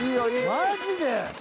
マジで？